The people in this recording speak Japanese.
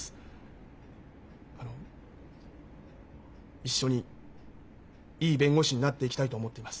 あの一緒にいい弁護士になっていきたいと思っています。